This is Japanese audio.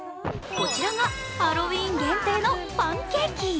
こちらがハロウィーン限定のパンケーキ。